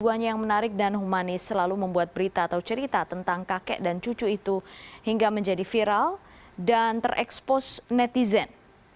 buahnya yang menarik dan humanis selalu membuat berita atau cerita tentang kakek dan cucu itu hingga menjadi viral dan terekspos netizen